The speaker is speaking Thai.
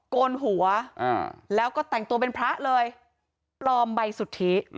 โกนหัวแล้วก็แต่งตัวเป็นพระเลยปลอมใบสุทธิ